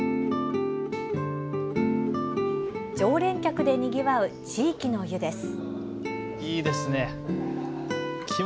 常連客でにぎわう地域の湯です。